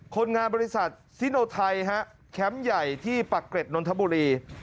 คนงานบริษัทซิโนไทยฮะแคมป์ใหญ่ที่ปักเกร็ดนนทบุรี